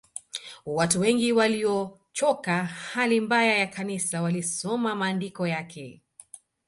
Watu wengi waliochoka hali mbaya ya Kanisa walisoma maandiko yake